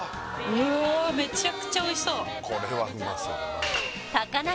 めちゃくちゃおいしそうたかな